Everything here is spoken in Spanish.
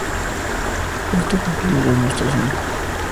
Esto concluye la demostración.